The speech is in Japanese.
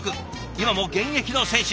今も現役の選手。